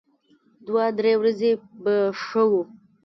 دوه درې ورځې به ښه و.